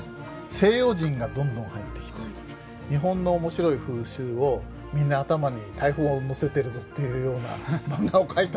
西洋人がどんどん入ってきて日本の面白い風習をみんな頭に大砲を載せてるぞっていうようなマンガを描いたわけです。